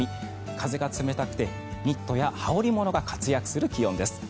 風が冷たくてニットや羽織物が活躍する気温です。